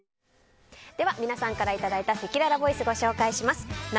では、皆さんからいただいたせきららボイスご紹介します。